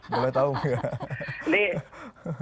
boleh tau gak